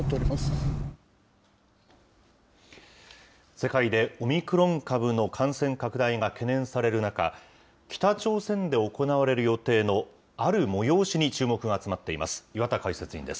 世界でオミクロン株の感染拡大が懸念される中、北朝鮮で行われる予定のある催しに注目が集まっています。